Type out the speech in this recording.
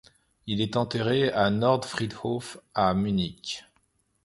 Il est enterré à Nordfriedhof, à Munich.